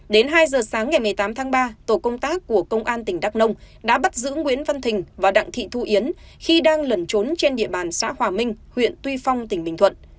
đến hai giờ sáng ngày một mươi tám tháng ba tổ công tác của công an tỉnh đắk nông đã bắt giữ nguyễn văn thình và đặng thị thu yến khi đang lẩn trốn trên địa bàn xã hòa minh huyện tuy phong tỉnh bình thuận